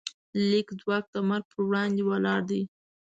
د لیک ځواک د مرګ پر وړاندې ولاړ دی.